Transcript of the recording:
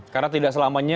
karena tidak selamanya